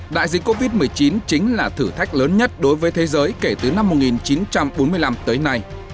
đại dịch covid một mươi chín chính là thử thách lớn nhất đối với thế giới kể từ năm một nghìn chín trăm bốn mươi năm tới nay